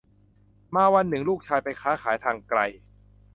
มาวันหนึ่งลูกชายไปค้าขายทางไกล